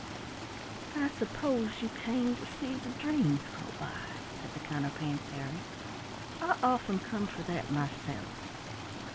"I suppose you came to see the dreams go by," said the Counterpane Fairy. "I often come for that myself."